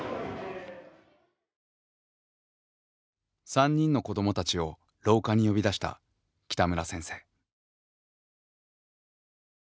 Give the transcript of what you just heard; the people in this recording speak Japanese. ３人の子どもたちを廊下に呼び出した北村先生。